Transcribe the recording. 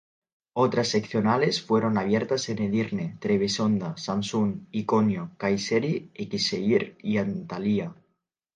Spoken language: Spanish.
Otras seccionales fueron abiertas en Edirne, Trebisonda, Samsun, Iconio, Kayseri, Eskişehir y Antalya.